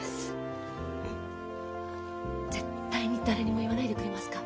絶対に誰にも言わないでくれますか。